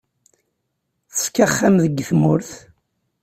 Teṣka axxam deg tmurt.